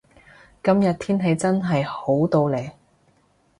今日天氣真係好到呢